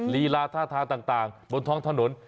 ลีลาท่าทางต่างบนท้องถนน